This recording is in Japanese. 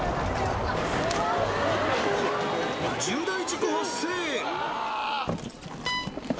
重大事故発生！